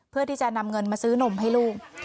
เพื่อที่จะนำเงินมาซื้อนมให้ลูก